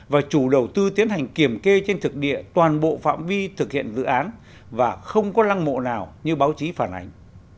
và chủ đầu tư tiến hành kiểm kê trên thực địa toàn bộ phạm vi thực hiện dự án và không có lăng mộ nào như báo chí phản ánh